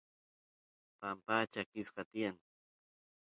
pampa chakisqa tiyan